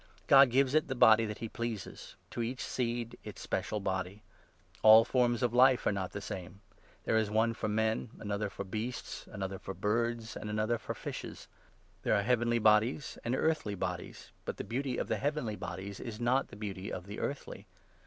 God gives it the body that he pleases — to each seed its special body. All forms of life are not the same ; there is one for men, another for beasts, another for birds, and another for fishes. There are heavenly bodies, and earthly bodies ; but the beauty of the heavenly bodies is not the beauty of the earthly.